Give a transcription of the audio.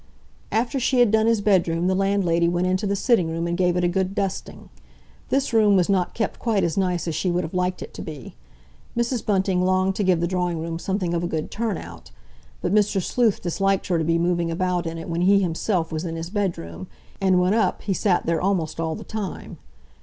After she had done his bedroom the landlady went into the sitting room and gave it a good dusting. This room was not kept quite as nice as she would have liked it to be. Mrs. Bunting longed to give the drawing room something of a good turn out; but Mr. Sleuth disliked her to be moving about in it when he himself was in his bedroom; and when up he sat there almost all the time.